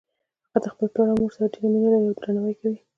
هغه د خپل پلار او مور سره ډیره مینه لری او درناوی یی کوي